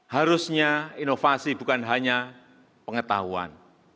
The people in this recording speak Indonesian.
harusnya inovasi bukan hanya pengetahuan